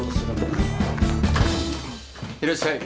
いらっしゃい。